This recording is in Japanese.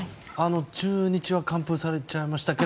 中日は完封されちゃいましたが。